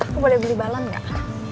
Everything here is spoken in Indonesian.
aku boleh beli balon gak